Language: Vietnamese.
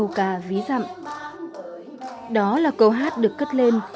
câu ca ví dạng đó là câu hát được cất lên